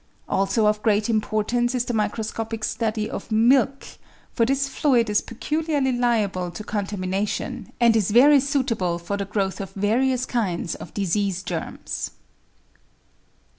Also of great importance is the microscopic study of milk, for this fluid is peculiarly liable to contamination, and is very suitable for the growth of various kinds of disease germs.